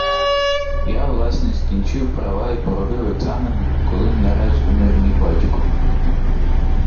Я власне скінчив права і поробив екзамени, коли нараз умер мій батько.